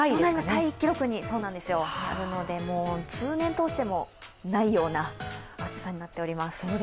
タイ記録になるので通年通してもないような暑さになっております。